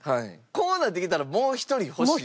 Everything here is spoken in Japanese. こうなってきたらもう１人欲しい。